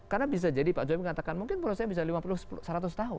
karena bisa jadi pak jomi katakan mungkin prosesnya bisa lima puluh seratus tahun